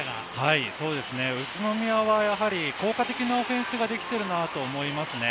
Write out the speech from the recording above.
宇都宮は効果的なオフェンスができているなと思いますね。